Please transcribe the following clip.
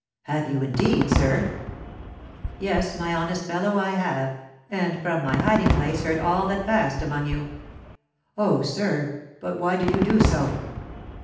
"Have you, indeed, sir?" "Yes, my honest fellow, I have, and from my hiding place heard all that passed among you." "Oh, sir! but why did you do so?"